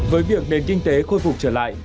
với việc nền kinh tế khôi phục trở lại